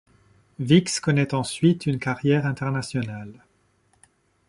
Vix connaît ensuite une carrière internationale.